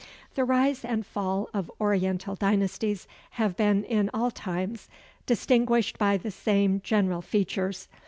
The rise and fall of oriental dynasties have been in all times distinguished by the same general features.